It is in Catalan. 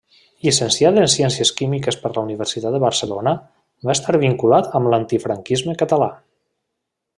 Llicenciat en ciències químiques per la Universitat de Barcelona, va estar vinculat amb l'antifranquisme català.